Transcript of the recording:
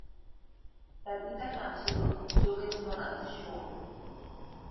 তার পিতার নাম ছিল যোগেন্দ্রনাথ সোম।